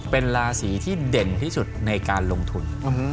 เป็นราศีที่เด่นที่สุดในการลงทุน